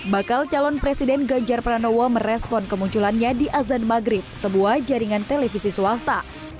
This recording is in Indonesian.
bakal calon presiden ganjar pranowo merespon kemunculannya di azan maghrib sebuah jaringan televisi swasta